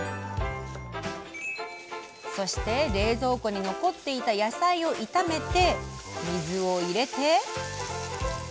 そして、冷蔵庫に残っていた野菜を炒めて水を入れて。